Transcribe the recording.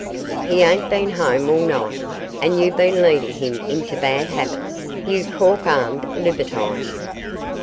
'He ain't been home all night, and you've been leading him into bad habits, you cork armed libertine.